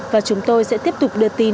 và chúng tôi sẽ tiếp tục đưa tin